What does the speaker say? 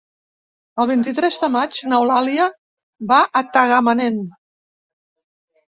El vint-i-tres de maig n'Eulàlia va a Tagamanent.